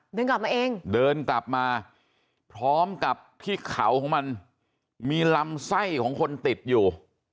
เดินกลับมาเองเดินกลับมาพร้อมกับที่เขาของมันมีลำไส้ของคนติดอยู่